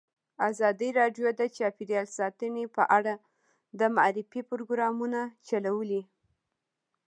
ازادي راډیو د چاپیریال ساتنه په اړه د معارفې پروګرامونه چلولي.